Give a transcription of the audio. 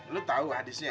lo tau hadisnya